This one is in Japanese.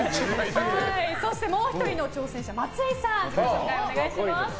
そしてもう１人の挑戦者松井さん自己紹介をお願いします。